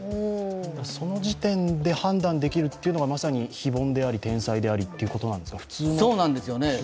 その時点で判断できるというのが、まさに非凡であり、天才でありということですか？